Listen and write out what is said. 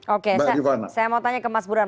oke saya mau tanya ke mas burhan